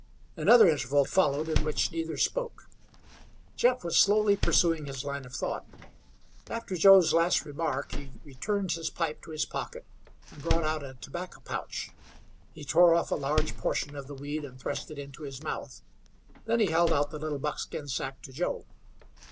Another interval followed in which neither spoke. Jeff was slowly pursuing his line of thought. After Joe's last remark he returned his pipe to his pocket and brought out a tobacco pouch. He tore off a large portion of the weed and thrust it into his mouth. Then he held out the little buckskin sack to Joe.